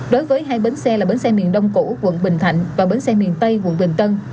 đối với hai bến xe là bến xe miền đông củ quận bình thạnh và bến xe miền tây quận bình tân